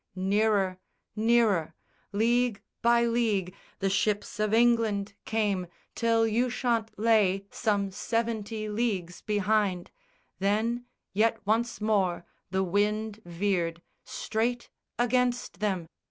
Nearer, nearer, league by league The ships of England came: till Ushant lay Some seventy leagues behind. Then, yet once more The wind veered, straight against them.